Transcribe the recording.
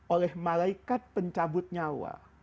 oleh malaikat pencabut nyawa